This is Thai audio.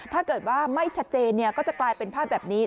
ถ้าเกิดว่าไม่ชัดเจนก็จะกลายเป็นภาพแบบนี้